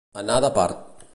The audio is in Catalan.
Anar de part.